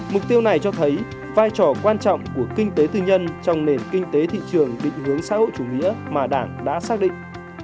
mục tiêu này cho thấy vai trò quan trọng của kinh tế tư nhân trong nền kinh tế thị trường định hướng xã hội chủ nghĩa mà đảng đã xác định